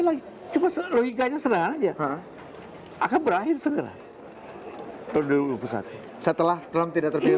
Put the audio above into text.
lagi cuma selalu ikannya sedang aja akan berakhir segera terdiri pusat setelah telah tidak terpilih